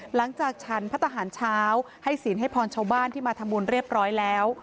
หลังจากฉันพระทหารเช้าให้ศีลให้พรชาวบ้านที่มาทำบุญเรียบร้อยแล้ว